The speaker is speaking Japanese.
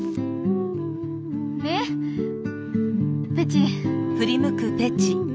ねっペチ。